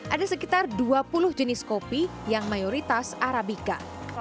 ada sekitar dua puluh jenis kopi yang mayoritas arabica